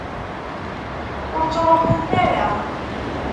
Ur ttṛuḥumt ara!